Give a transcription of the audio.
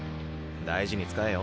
大事に使えよ。